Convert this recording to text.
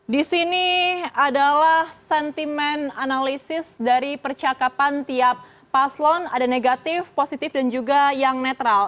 di sini adalah sentimen analisis dari percakapan tiap paslon ada negatif positif dan juga yang netral